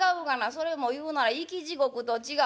それも言うなら生き地獄と違う。